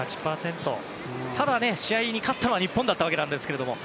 ただ試合に勝ったのは日本だったわけですが。